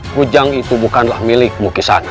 kucang itu bukanlah milikmu kisah nak